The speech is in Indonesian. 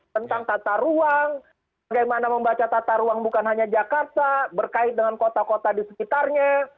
tentang tata ruang bagaimana membaca tata ruang bukan hanya jakarta berkait dengan kota kota di sekitarnya